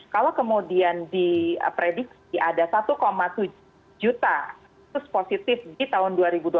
kalau kemudian diprediksi ada satu tujuh juta positif di tahun dua ribu dua puluh